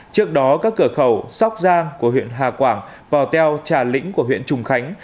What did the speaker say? trước đó các cửa khẩu sóc giang của huyện hà quảng pò teo trà lĩnh của huyện trùng khánh